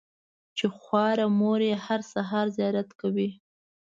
چې خواره مور یې هره سهار زیارت کوي.